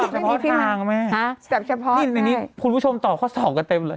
สับเฉพาะทางนะแม่นี่คุณผู้ชมตอบข้อสองก็เต็มเลย